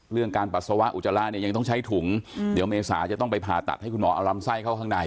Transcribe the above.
การปัสสาวะอุจจาระเนี่ยยังต้องใช้ถุงเดี๋ยวเมษาจะต้องไปผ่าตัดให้คุณหมอเอาลำไส้เข้าข้างใน